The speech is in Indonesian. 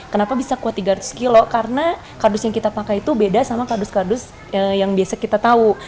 kenapa bisa kuat tiga ratus kilo karena kardus yang kita pakai itu beda sama kardus kardus yang biasa kita tahu